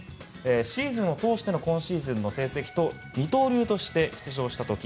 シーズンを通しての今シーズンの成績と二刀流として出場した時。